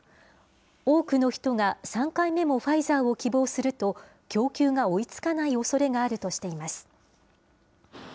多くの人が３回目もファイザーを希望すると、供給が追いつかないおそれがあるとしています。